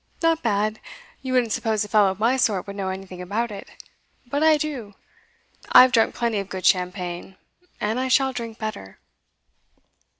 'Not bad. You wouldn't suppose a fellow of my sort would know anything about it. But I do. I've drunk plenty of good champagne, and I shall drink better.